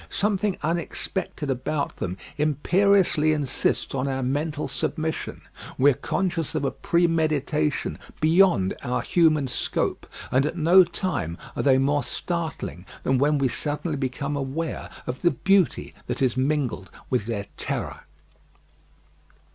Something unexpected about them imperiously insists on our mental submission; we are conscious of a premeditation beyond our human scope, and at no time are they more startling than when we suddenly become aware of the beauty that is mingled with their terror.